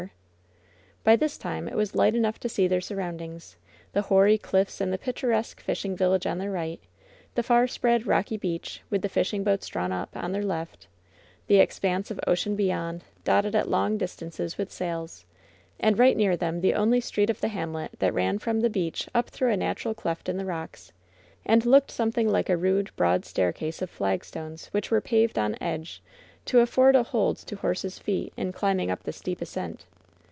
LOVERS BITTEREST CUP 18» By this time it was light enough to see their sur roundings — ^the hoary cliffs and the picturesque fishing village on their right ; the far spread rocky beach, with the fishing boats drawn up, on their left; the expanse of ocean beyond, dotted at long distances with sails ; and right near them the only street of the hamlet that ran from the beach up through a natural cleft in the rocks, and looked something like a rude, broad staircase of flagstones, which were paved on edge to afford a hold to horses^ feet in climbing up the steep ascent.